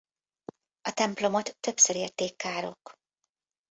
A templomot többször érték károk.